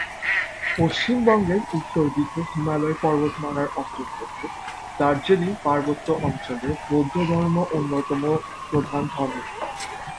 পশ্চিমবঙ্গের উত্তর দিকে হিমালয় পর্বতমালার অন্তর্গত দার্জিলিং পার্বত্য অঞ্চলে বৌদ্ধধর্ম অন্যতম প্রধান ধর্মমত।